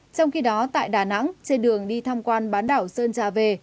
trong khi đó tại đà nẵng trên đường đi tham quan bán đảo sơn trà về